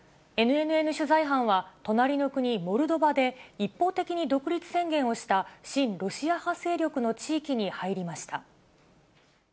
ＮＮＮ取材班は、隣の国モルドバで、一方的に独立宣言をした親ロシア派勢力の地域に入りました。